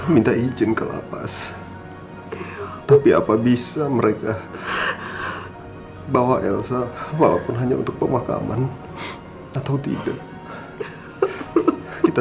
minta izin ke lapas tapi apa bisa mereka bawa elsa walaupun hanya untuk pemakaman atau tidak kita